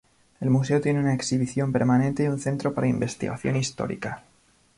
El Museo tiene una exhibición permanente y un centro para investigación histórica.